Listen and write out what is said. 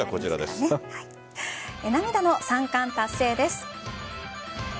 涙の３冠達成です。